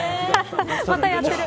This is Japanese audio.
またやっている。